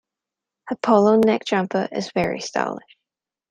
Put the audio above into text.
Her polo neck jumper is very stylish